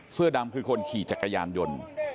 เสื้อดำคือคนขี่จักรยานยนต์